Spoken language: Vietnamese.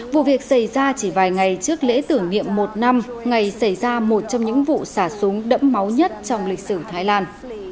vụ việc xảy ra chỉ vài ngày trước lễ tưởng niệm một năm ngày xảy ra một trong những vụ xả súng đẫm máu nhất trong lịch sử thái lan